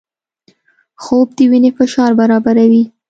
خوب د وینې فشار برابروي